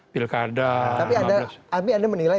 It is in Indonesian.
pilkada tapi anda menilai